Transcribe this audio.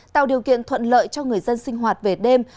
tạo điều kiện thuận lợi cho người dân sinh hoạt về đêm